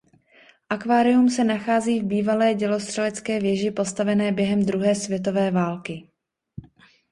Akvárium se nachází v bývalé dělostřelecké věži postavené během druhé světové války.